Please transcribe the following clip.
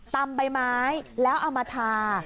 ตำใบไม้แล้วเอามาทา